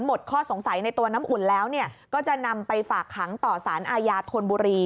หมดข้อสงสัยในตัวน้ำอุ่นแล้วก็จะนำไปฝากขังต่อสารอาญาธนบุรี